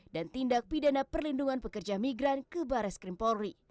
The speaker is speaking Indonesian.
dan tindak pidana perlindungan pekerja migran ke baris krimpolri